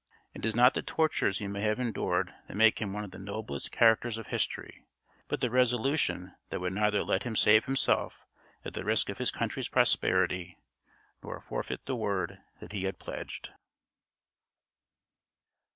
It is not the tortures he may have endured that make him one of the noblest characters of history, but the resolution that would neither let him save himself at the risk of his country's prosperity, nor forfeit the word that he had pledged.